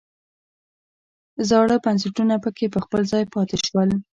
زاړه بنسټونه پکې په خپل ځای پاتې شول.